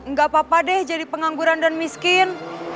nggak apa apa deh jadi pengangguran dan miskin